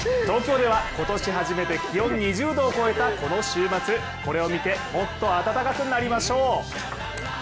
東京では今年初めて気温２０度を超えたこの週末これを見て、もっと暖かくなりましょう。